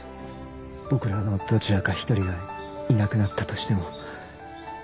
僕らのどちらか一人がいなくなったとしても。